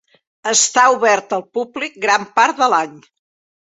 Està oberta al públic durant gran part de l'any.